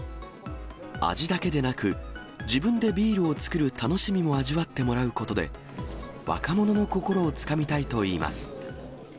味だけでなく、自分でビールをつくる楽しみも味わってもらうことで、若者の心をつかみたいといいます。